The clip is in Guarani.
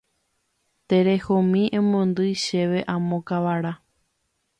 Terehomi emondýi chéve amo kavara.